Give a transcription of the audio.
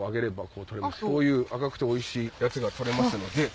こういう赤くておいしいやつが取れますので。